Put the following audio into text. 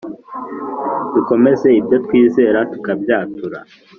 dukomeze ibyo twizera tukabyatura